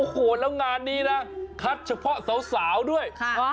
โอ้โหแล้วงานนี้นะคัดเฉพาะสาวด้วย